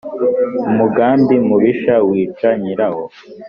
umugambi mubisha wica nyirawo